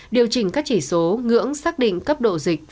điều chỉnh các chỉ số ngưỡng xác định cấp độ dịch